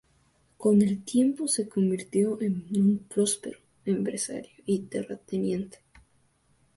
Con el tiempo se convirtió en un próspero empresario y terrateniente.